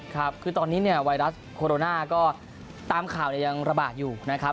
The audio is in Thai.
ครับคือตอนนี้เนี่ยไวรัสโคโรนาก็ตามข่าวยังระบาดอยู่นะครับ